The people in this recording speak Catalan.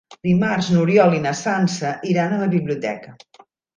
Dimarts n'Oriol i na Sança iran a la biblioteca.